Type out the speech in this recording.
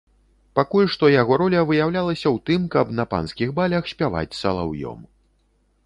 Пакуль што яго роля выяўлялася ў тым, каб на панскіх балях спяваць салаўём.